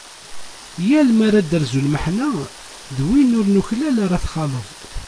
Yal mi ara d-terzu lmeḥna d win ur nuklal ara txaleḍ.